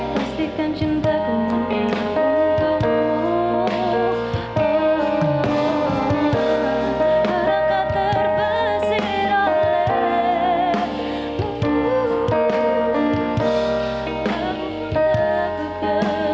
pastikan cintaku menanggungmu